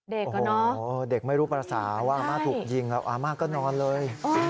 โอ้โหเด็กไม่รู้ภาษาว่าอาม่าถูกยิงแล้วอาม่าก็นอนเลย